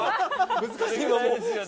難しいですよね。